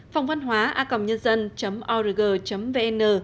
phong văn hóa a nh org vn